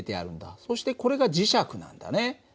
そしてこれが磁石なんだね。